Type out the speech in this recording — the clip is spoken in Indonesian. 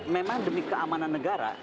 memang demi keamanan negara